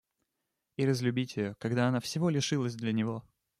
И разлюбить ее, когда она всего лишилась для него!